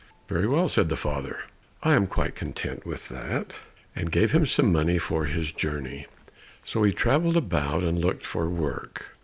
"Very well," said the father, "I am quite content with that," and gave him some money for his journey. So he travelled about and looked for work.